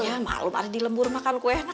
ya malem ada di lembur makan kue enak